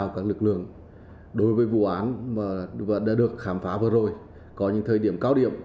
các lực lượng đối với vụ án đã được khám phá vừa rồi có những thời điểm cao điểm